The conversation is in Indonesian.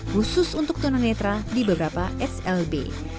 khusus untuk tunang netra di beberapa slb